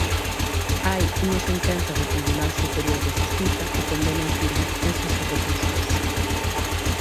Hai unha sentenza do Tribunal Superior de Xustiza que condena en firme eses sobrecustos.